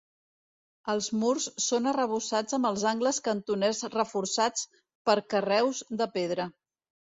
Els murs són arrebossats amb els angles cantoners reforçats per carreus de pedra.